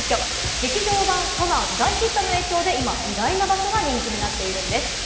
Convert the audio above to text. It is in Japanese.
劇場版『コナン』大ヒットの影響で今、意外な場所が人気になっています。